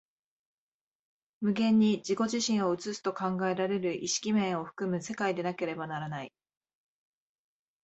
無限に自己自身を映すと考えられる意識面を含む世界でなければならない。